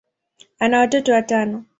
ana watoto watano.